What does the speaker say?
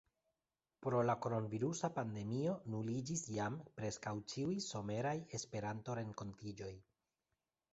Pro la kronvirusa pandemio nuliĝis jam preskaŭ ĉiuj someraj Esperanto-renkontiĝoj.